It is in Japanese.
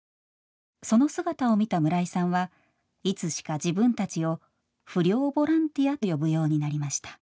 その姿を見た村井さんはいつしか自分たちを「不良ボランティア」と呼ぶようになりました。